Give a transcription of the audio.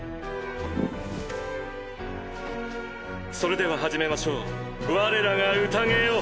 それでは始めましょうわれらが宴を！